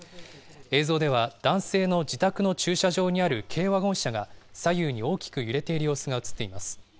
映像では、男性の自宅の駐車場にある軽ワゴン車が左右に大きく揺れている様子が写っています。